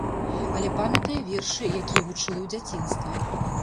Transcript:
Але памятае вершы, якія вучыла ў дзяцінстве.